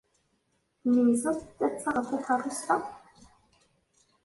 Tmeyyzeḍ-d ad taɣeḍ takeṛṛust-a?